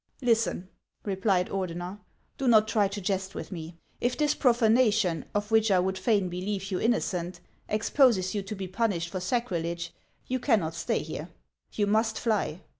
"" Listen," replied Ordener ;" do not try to jest with me. If this profanation, of which I would fain believe you in nocent, exposes you to be punished for sacrilege, you can not stay here. You must fly.